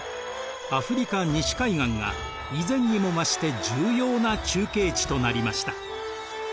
アフリカ西海岸が以前にも増して重要な中継地となりました。